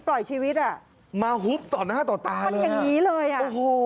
ปล่อยชีวิตอ่ะมาหุบต่อหน้าต่อตามันอย่างงี้เลยอ่ะโอ้โห